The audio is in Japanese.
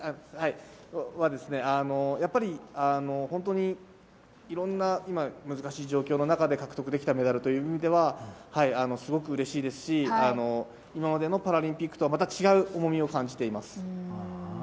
本当にいろんな難しい状況の中で獲得できたメダルという意味ではすごくうれしいですし今までのパラリンピックとはまた違う重みを感じています。